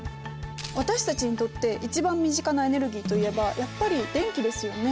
私たちにとって一番身近なエネルギーといえばやっぱり電気ですよね。